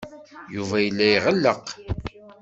Yuba yella iɣelleq.